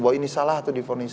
bahwa ini salah atau di fonis